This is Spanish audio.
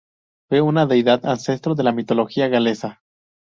Fue una deidad ancestro de la mitología galesa.